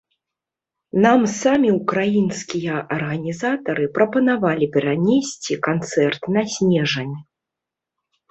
Нам самі ўкраінскія арганізатары прапанавалі перанесці канцэрт на снежань.